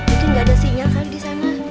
itu gak ada sinyal kali di sana